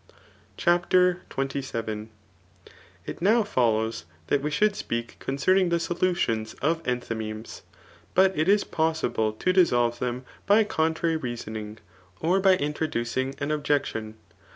CHAPTER IXVIL It now follows that we should speak concernmg the soludons of enthymemes. But it is possible to di^lve them by contrary reasoning, or by ii)trodudng an objec* tion.